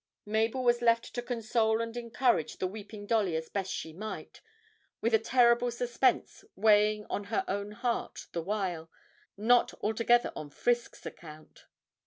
Mabel was left to console and encourage the weeping Dolly as best she might, with a terrible suspense weighing on her own heart the while, not altogether on Frisk's account.